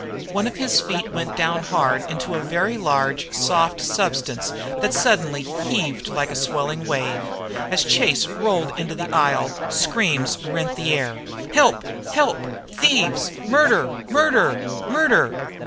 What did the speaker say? One of his feet went down hard into a very large, soft substance that suddenly heaved like a swelling wave. As Chase rolled into the aisle screams rent the air. "Help! Help! Thieves! Murder! Murder! Murder!"